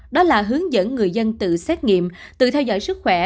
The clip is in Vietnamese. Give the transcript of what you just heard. đó là hướng dẫn người dân tự xét nghiệm tự theo dõi sức khỏe